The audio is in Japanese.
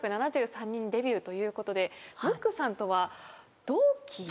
１９７３年デビューということでムックさんとは同期。